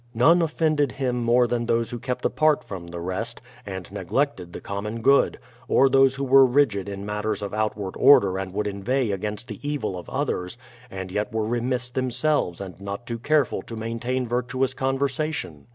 None offended him more than those who kept apart from the rest, and neglected the com mon good ; or those who were rigid in matters of outward order and would inveigh against the evil of others, and yet were remiss themselves and not too careful to maintain virtuous conversation.